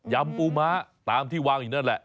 ำปูม้าตามที่วางอยู่นั่นแหละ